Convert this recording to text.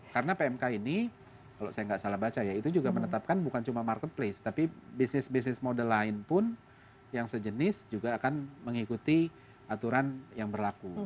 karena pmk ini kalau saya gak salah baca ya itu juga menetapkan bukan cuma marketplace tapi bisnis bisnis model lain pun yang sejenis juga akan mengikuti aturan yang berlaku